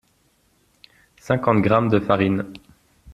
cinquante grammes de farine